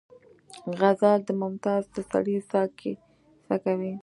غزل د ممتاز د ستړې ساه کیسه کوي